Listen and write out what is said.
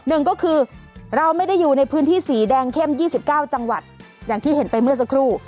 หนึ่งก็คือเราไม่ได้อยู่ในพื้นที่สีแดงเข้ม๒๙จังหวัดอย่างที่เห็นไปเมื่อสักครู่